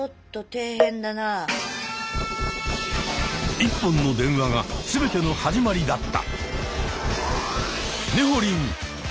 １本の電話が全ての始まりだった。